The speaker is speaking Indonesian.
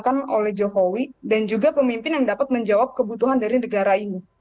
yang dilakukan oleh jokowi dan juga pemimpin yang dapat menjawab kebutuhan dari negara ini